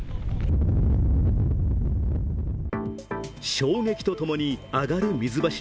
衝撃とともに上がる水柱。